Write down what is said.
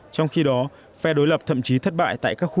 trong khi đó phe đối lập thậm chí thất bại tại các khu